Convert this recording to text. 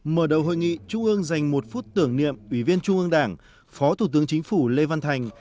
mở đầu hội nghị trung ương dành một phút tưởng niệm ủy viên trung ương đảng phó thủ tướng chính phủ lê văn thành